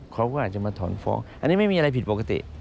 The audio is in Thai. เขาก็อาจจะมาถอนฟ้องอันนี้ไม่มีอะไรผิดปกติ